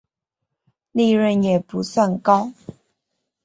利润也不算高